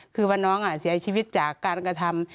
คือว่าน้องเสียชีวิตจากการกระทำ